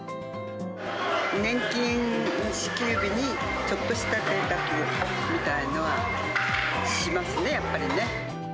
年金支給日に、ちょっとしたぜいたくみたいのはしますね、やっぱりね。